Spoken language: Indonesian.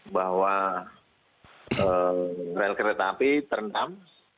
bahwa rel kereta api terendam